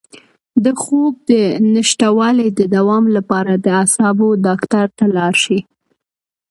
د خوب د نشتوالي د دوام لپاره د اعصابو ډاکټر ته لاړ شئ